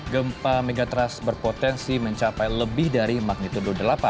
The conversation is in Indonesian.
gempa megatrust berpotensi mencapai lebih dari magnitudo delapan